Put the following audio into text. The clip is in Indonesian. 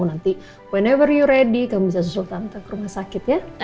nanti whenever you ready kamu bisa susul tante ke rumah sakit ya